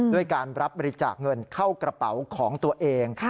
ด้วยการรับบริจาคเงินเข้ากระเป๋าของตัวเอง